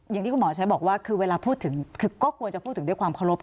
อย่างที่คุณหมอใช้บอกว่าคือเวลาพูดถึงคือก็ควรจะพูดถึงด้วยความเคารพ